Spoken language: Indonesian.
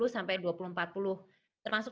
sampai dua puluh empat puluh termasuk